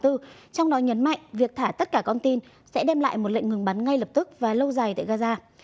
trong đó nhấn mạnh việc thả tất cả con tin sẽ đem lại một lệnh ngừng bắn ngay lập tức và lâu dài tại gaza